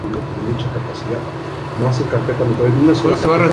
Su diseño le permite alcanzar un máximo de velocidad.